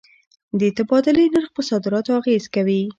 د تبادلې نرخ پر صادراتو اغېزه کوي.